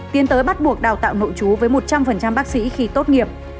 tiến tới bắt buộc đào tạo nội chú với một trăm linh bác sĩ khi tốt nghiệp